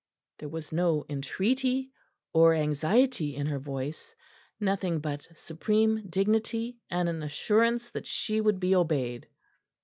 There was no entreaty or anxiety in her voice; nothing but a supreme dignity and an assurance that she would be obeyed.